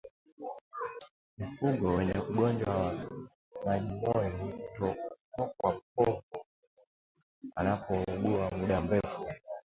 Mfugo wenye ugonjwa wa majimoyo hutokwa povu mdomoni anapougua muda mrefu